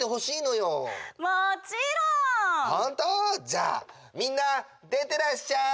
じゃあみんな出てらっしゃい！